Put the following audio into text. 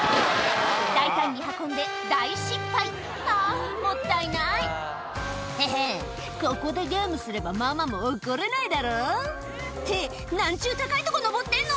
大胆に運んで大失敗あもったいない「ヘヘンここでゲームすればママも怒れないだろ」って何ちゅう高いとこ登ってんの！